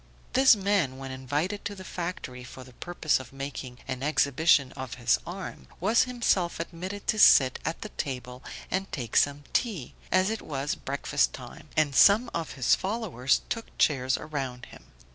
This man when invited to the factory for the purpose of making an exhibition of his arm, was himself admitted to sit at the table and take some tea, as it was breakfast time, and some of his followers took chairs around him.